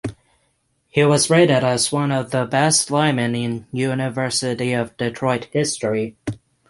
He was rated as one of the best linemen in University of Detroit history.